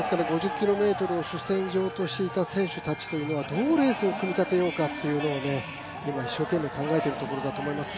５０ｋｍを主戦場としていた選手たちはどうレースを組み立てようかというのを今、一生懸命考えているところだと思います。